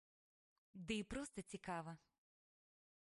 Ды і проста цікава!